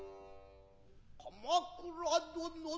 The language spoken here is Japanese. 鎌倉殿の。